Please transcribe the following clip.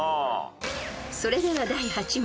［それでは第８問］